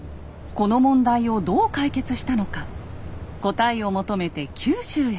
この問題をどう解決したのか答えを求めて九州へ。